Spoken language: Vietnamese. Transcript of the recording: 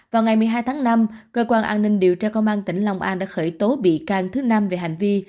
vào ngày một mươi hai tháng năm cơ quan an ninh điều tra công an tỉnh long an đã khởi tố bị can thứ năm về hành vi